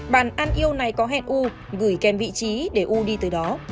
bạn an yêu này có hẹn u gửi kèm vị trí để u đi từ đó